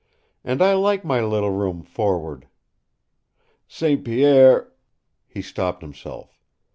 "And I like my little room forward." "St. Pierre " He stopped himself.